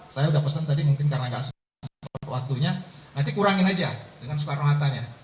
saya udah pesan tadi mungkin karena gak waktunya nanti kurangin aja dengan soekarno hattanya